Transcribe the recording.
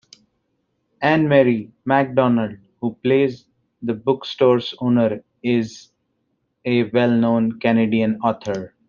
Ann-Marie MacDonald, who plays the bookstore's owner, is a well-known Canadian author.